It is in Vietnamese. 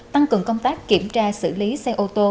tăng cường công tác kiểm tra xử lý xe ô tô